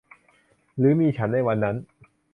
หรือมีฉันในวันนั้น